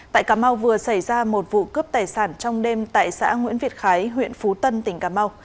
tại cà mau vừa xảy ra một vụ cướp tài sản trong đêm tại xã nguyễn việt khái huyện phú tân tỉnh cà mau